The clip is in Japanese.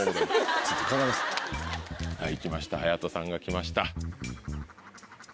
はい来ました隼人さんが来ました。